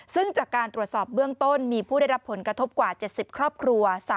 ซึ่งจากการตรวจสอบเบื้องต้นมีผู้ได้รับผลกระทบกว่า๗๐ครอบครัว